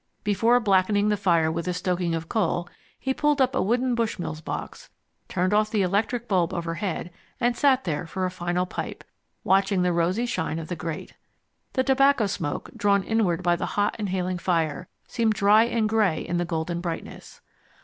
Before blackening the fire with a stoking of coal he pulled up a wooden Bushmills box, turned off the electric bulb overhead, and sat there for a final pipe, watching the rosy shine of the grate. The tobacco smoke, drawn inward by the hot inhaling fire, seemed dry and gray in the golden brightness.